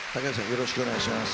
よろしくお願いします。